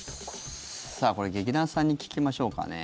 これ、劇団さんに聞きましょうかね。